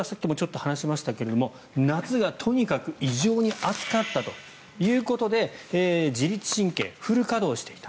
更に、今年はさっきも話しましたが夏がとにかく異常に暑かったということで自律神経、フル稼働していた。